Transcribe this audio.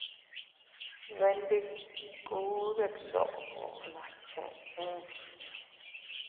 Beendikuu ddeetdoo nas chee.